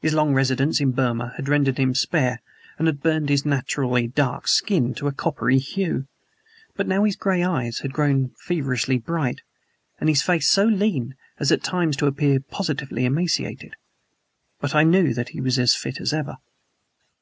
His long residence in Burma had rendered him spare and had burned his naturally dark skin to a coppery hue; but now his gray eyes had grown feverishly bright and his face so lean as at times to appear positively emaciated. But I knew that he was as fit as ever.